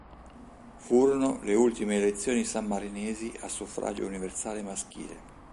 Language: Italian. Furono le ultime elezioni sammarinesi a suffragio universale maschile.